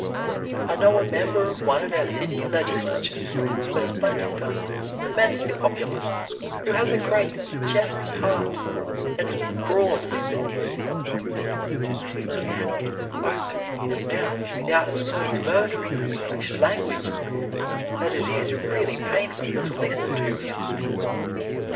I know a member of one of our city legislatures, a splendid fellow, immensely popular, who has a great, generous heart and broad sympathies, but who can not open his mouth without so murdering the English language that it is really painful to listen to him.